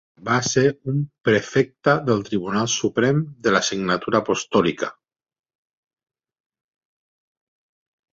Va ser prefecte del Tribunal Suprem de la Signatura Apostòlica.